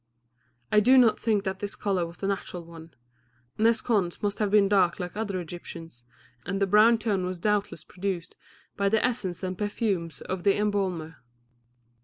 I do not think that this colour was the natural one; Nes Khons must have been dark like other Egyptians, and the brown tone was doubtless produced by the essences and perfumes of the embalmer.